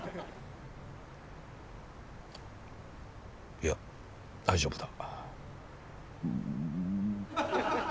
いや大丈夫だ。